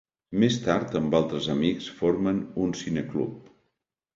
Més tard amb altres amics formen un cineclub.